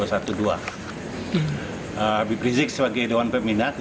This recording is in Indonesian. habib rizik sebagai dewan peminat